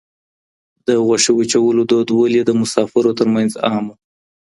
د غوښې وچولو دود ولې د مسافرو تر منځ عام و؟